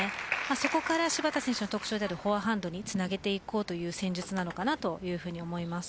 そこから芝田選手の特徴のフォアハンドにつなげていこうという戦術なのかなと思います。